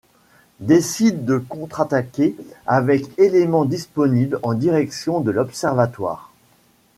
Décide de contre-attaquer avec éléments disponibles en direction de l'observatoire.